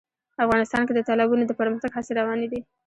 افغانستان کې د تالابونه د پرمختګ هڅې روانې دي.